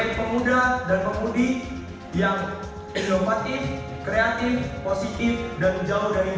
sebagai pemuda dan pemudi yang inovatif kreatif positif dan menjauhkan dari dunia ini